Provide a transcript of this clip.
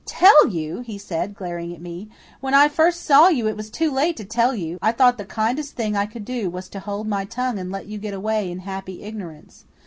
"Tell you!" he said, glaring at me. "When I first saw you it was too late to tell you. I thought the kindest thing I could do was to hold my tongue and let you get away in happy ignorance.